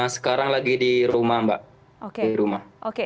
sekarang lagi di rumah mbak